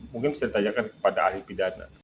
mungkin bisa ditanyakan kepada ahli pidana